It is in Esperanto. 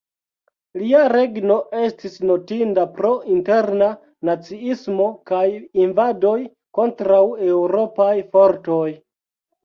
Lia regno estis notinda pro interna naciismo kaj invadoj kontraŭ Eŭropaj fortoj.